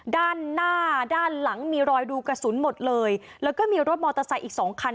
ด้านหน้าด้านหลังมีรอยดูกระสุนหมดเลยแล้วก็มีรถมอเตอร์ไซค์อีกสองคัน